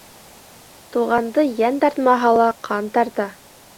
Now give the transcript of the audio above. Туғанды йән тартмаһа ла ҡан тарта.